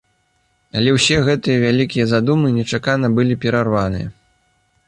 Але ўсе гэтыя вялікія задумы нечакана былі перарваны.